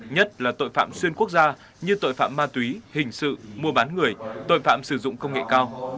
nhất là tội phạm xuyên quốc gia như tội phạm ma túy hình sự mua bán người tội phạm sử dụng công nghệ cao